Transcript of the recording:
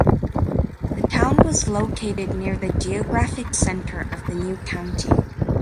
The town was located near the geographic center of the new county.